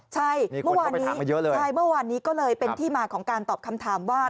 ใช่เมื่อวานนี้ก็เลยเป็นที่มาของการตอบคำถามว่า